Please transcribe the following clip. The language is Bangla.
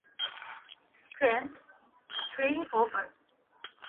Strength three, over.